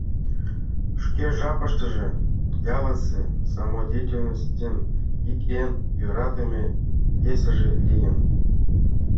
Шке жапыштыже ялысе самодеятельностьын ик эн йӧратыме пьесыже лийын.